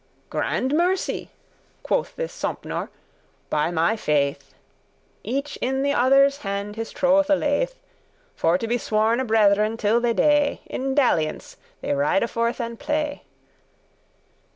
"Grand mercy,"* quoth this Sompnour, "by my faith." *great thanks Each in the other's hand his trothe lay'th, For to be sworne brethren till they dey.* *die<6> In dalliance they ride forth and play.